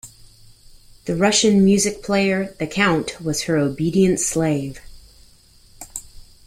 The Russian music player, the Count, was her obedient slave.